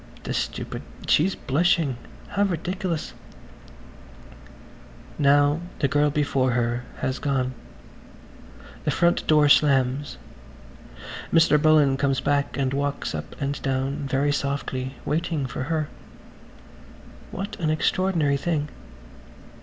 The stupid–she's blushing! How ridiculous! [Page 140] Now the girl before her has gone; the front door slams. Mr. Bullen comes back and walks up and down, very softly, waiting for her. What an extraordinary thing.